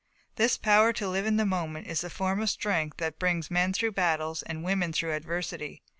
This power to live in the moment is the form of strength that brings men through battles and women through adversity.